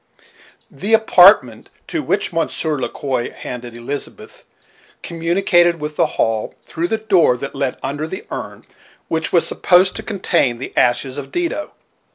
The apartment to which Monsieur Le Quoi handed Elizabeth communicated with the hall, through the door that led under the urn which was supposed to contain the ashes of Dido.